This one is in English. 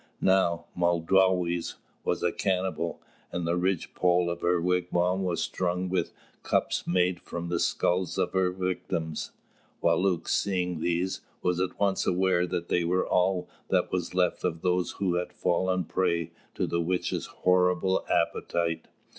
Now, Mōdāwes was a cannibal, and the ridge pole of her wigwam was strung with cups made from the skulls of her victims. Wālūt, seeing these, was at once aware that they were all that was left of those who had fallen prey to the witch's horrible appetite.